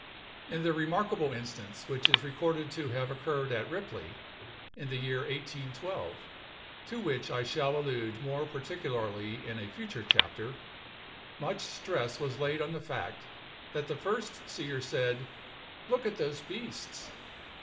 In the remarkable instance which is recorded to have occurred at Ripley, in the year 1812, to which I shall allude more particularly in a future chapter, much stress was laid on the fact, that the first seer said, "Look at those beasts!"